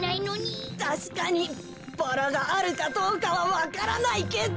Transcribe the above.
たしかにバラがあるかどうかはわからないけど。